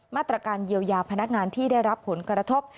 มาตรการเยียวยาพนักงานที่ได้รับผลกระทบ